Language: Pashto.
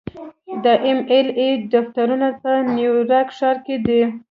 د ایم ایل اې دفترونه په نیویارک ښار کې دي.